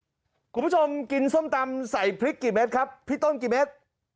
คุณผู้ชมกินส้มตำใส่พริกกี่เม็ดครับพี่ต้นกี่เมตร